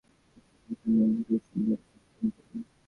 তিনি যশোহরে সম্মিলনী ইন্সটিটিউশন নামক একটি উচ্চ বিদ্যালয় স্থাপন করেন।